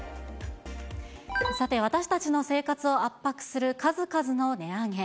さて、私たちの生活を圧迫する数々の値上げ。